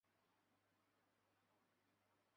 比耶克下面再划分为七个地区。